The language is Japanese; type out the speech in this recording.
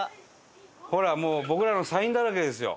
ほらもう僕らのサインだらけですよ。